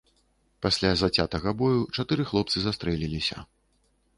Пасля зацятага бою чатыры хлопцы застрэліліся.